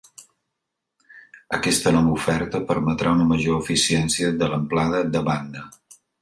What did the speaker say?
Aquesta nova oferta permetrà una major eficiència de l'amplada de banda.